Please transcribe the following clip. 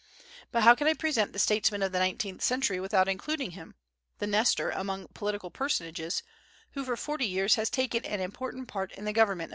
But how can I present the statesmen of the nineteenth century without including him, the Nestor among political personages, who for forty years has taken an important part in the government of England?